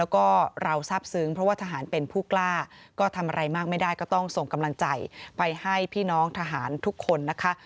แล้วก็เราทราบซึ้งเพราะว่าทหารเป็นผู้กล้าก็ทำอะไรมากไม่ได้ก็ต้องส่งกำลังใจไปให้พี่น้องทหารทุกคนนะคะ